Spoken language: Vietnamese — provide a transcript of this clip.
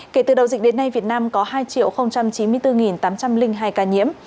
kể từ đầu dịch đến nay việt nam có hai chín mươi bốn tám trăm linh hai ca nhiễm